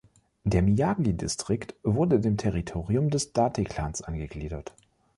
Der Miyagi-Distrikt wurde dem Territorium des Date-Klans angegliedert.